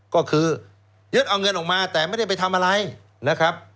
ก็คือยึดเอาเงินออกมาแต่ไม่ได้ไปทำอะไรนะครับ